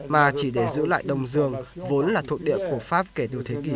mà chỉ để giữ lại đông dương vốn là thuộc địa của pháp kể từ thế kỷ một mươi chín